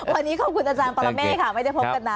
วันนี้ขอบคุณอาจารย์ปรเมฆค่ะไม่ได้พบกันนะ